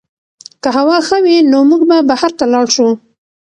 که هوا ښه وي نو موږ به بهر ته لاړ شو.